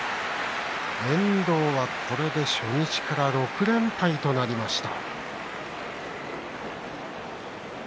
遠藤は初日から６連敗となりました。